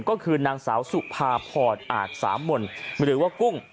ก็คือนางสาวสุภาพรอาจสามนหรือว่ากุ้ง